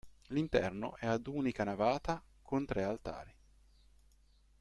L'interno è ad unica navata con tre altari.